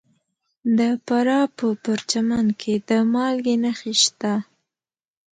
د فراه په پرچمن کې د مالګې نښې شته.